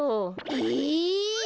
え！